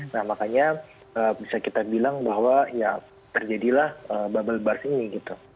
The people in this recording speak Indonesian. nah makanya bisa kita bilang bahwa ya terjadilah bubble barce ini gitu